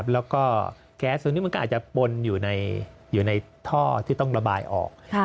แล้วก็แก๊สตัวนี้มันก็อาจจะปนอยู่ในท่อที่ต้องระบายออก